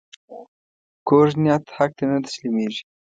کوږ نیت حق ته نه تسلیمېږي